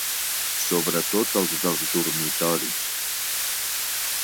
Sobretot els dels dormitoris.